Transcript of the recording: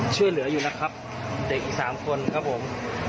ช่วยเหลืออยู่นะครับเด็กอีก๓คนครับผม